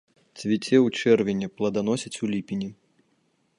Цвіце ў чэрвені, пладаносіць у ліпені.